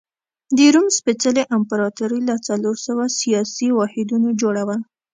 د روم سپېڅلې امپراتوري له څلور سوه سیاسي واحدونو جوړه وه.